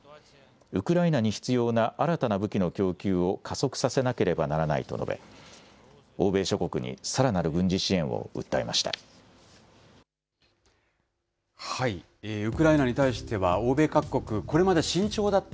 ウクライナに必要な新たな武器の供給を加速させなければならないと述べ、欧米諸国にさらなる軍事支援を訴えました。